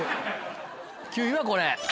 ９位はこれ。